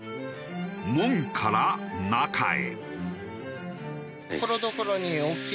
門から中へ。